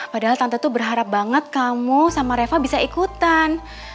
padahal tante tuh berharap banget kamu sama reva bisa ikutan